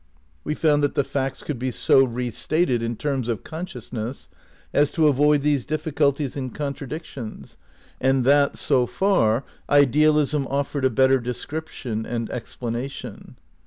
We found that the facts could be so re stated in terms of consciousness as to avoid these difficulties and contradictions, and that, so far, idealism offered a better description and explanation.